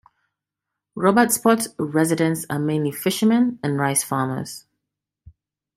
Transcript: Robertsport residents are mainly fishermen and rice farmers.